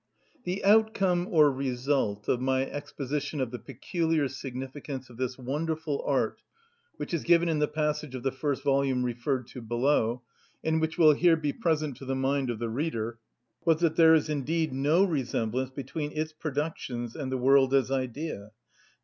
The outcome, or result, of my exposition of the peculiar significance of this wonderful art, which is given in the passage of the first volume referred to below, and which will here be present to the mind of the reader, was, that there is indeed no resemblance between its productions and the world as idea, _i.